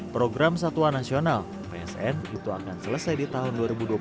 program satuan nasional psn itu akan selesai di tahun dua ribu dua puluh satu